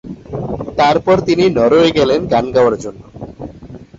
তারপর তিনি নরওয়ে গেলেন গান গাওয়ার জন্য।